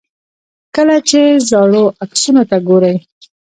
کله چې زاړو عکسونو ته ګورئ.